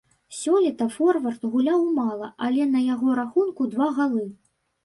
Сёлета форвард гуляў мала, але на яго рахунку два галы.